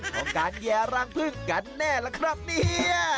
ของการแย่รังพึ่งกันแน่ล่ะครับเนี่ย